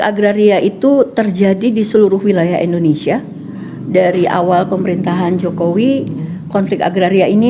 agraria itu terjadi di seluruh wilayah indonesia dari awal pemerintahan jokowi konflik agraria ini